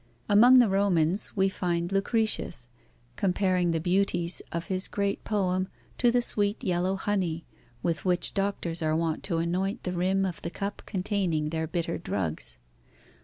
Among the Romans, we find Lucretius comparing the beauties of his great poem to the sweet yellow honey, with which doctors are wont to anoint the rim of the cup containing their bitter drugs.